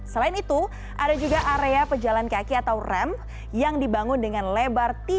selain itu ada juga area pejalan kaki atau rem yang dibangun dengan lebar tiga meter